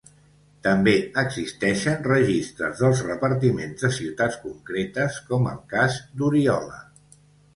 També existeixen registres dels repartiments de ciutats concretes, com el cas d’Oriola.